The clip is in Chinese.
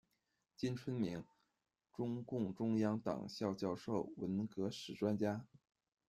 金春明，中共中央党校教授，文革史专家。